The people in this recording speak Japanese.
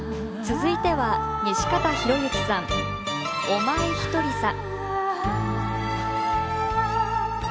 続いては西方裕之さん「おまえひとりさ」。